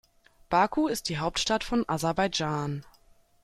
Baku ist die Hauptstadt von Aserbaidschan.